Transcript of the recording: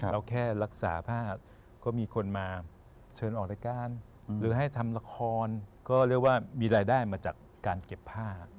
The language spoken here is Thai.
เราแค่รักษาผ้าก็มีคนมาเชิญออกรายการหรือให้ทำละครก็เรียกว่ามีรายได้มาจากการเก็บผ้า